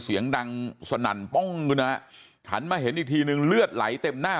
เสียงดังสนั่นหันมาเห็นอีกทีหนึ่งเลือดไหลเต็มหน้า